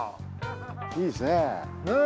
いいですねぇ。